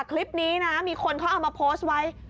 คลิปนี้นะมีคนเขาเอามาโพสต์ไว้